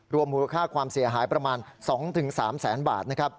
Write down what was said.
รวมมูลค่าความเสียหายประมาณ๒๓แสนบาท